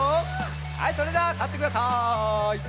はいそれではたってください。